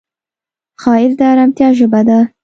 ښایست د ارامتیا ژبه ده